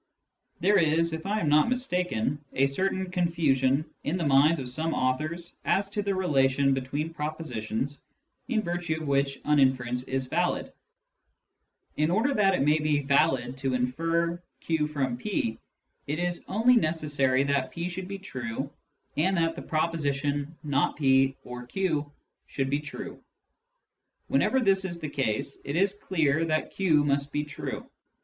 There is, if I am not mistaken, a certain confusion in the Incompatibility and the Theory of Dea/ction 1 53 minds of some authors as to the relation, between propositions, in virtue of which an inference is valid. In order that it may be valid^to infer q from p, it is only necessary that p should be true and that the proposition " not /) or q " should be true. Whenever this is the case, it is clear that q must be true.